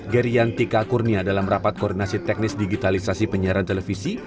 gerian tika kurnia dalam rapat koordinasi teknis digitalisasi penyiaran televisi